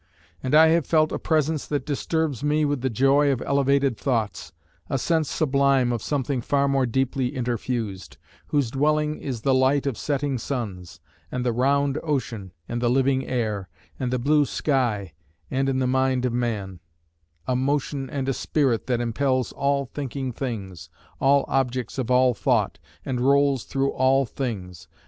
And I have felt A presence that disturbs me with the joy Of elevated thoughts; a sense sublime Of something far more deeply interfused, Whose dwelling is the light of setting suns, And the round ocean and the living air, And the blue sky, and in the mind of man: A motion and a spirit, that impels All thinking things, all objects of all thought, And rolls through all things.